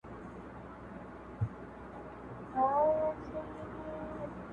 ستا د سونډو له ساغره به یې جار کړم-